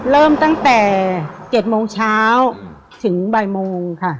เริ่มตั้งแต่๗โมงเช้าถึงบ่ายโมงค่ะ